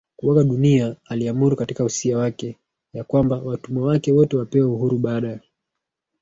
kuaga dunia aliamuru katika usia wake ya kwamba watumwa wake wote wapewe uhuru baada